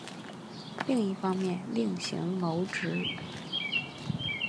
另一方面另行谋职